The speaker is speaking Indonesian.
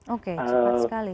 oke cepat sekali